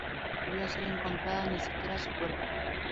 Nunca volvió a ser encontrada, ni siquiera su cuerpo.